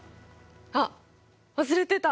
あっ忘れてた！